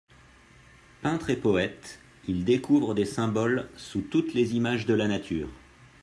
Peintre et poète, il découvre des symboles sous toutes les images de la nature.